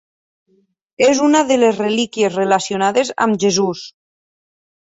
És una de les relíquies relacionades amb Jesús.